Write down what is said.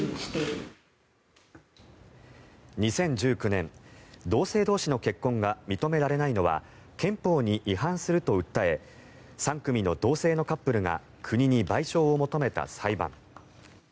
２０１９年同性同士の結婚が認められないのは憲法に違反すると訴え３組の同性のカップルが国に賠償を求めた裁判。